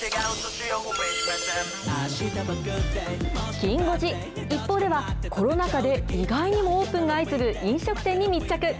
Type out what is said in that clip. きん５時、ＩＰＰＯＵでは、コロナ禍で、意外にもオープンが相次ぐ飲食店に密着。